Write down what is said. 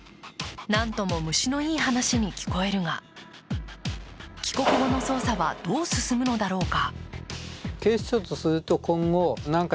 何とも虫のいい話に聞こえるが帰国後の捜査はどう進むのだろうか。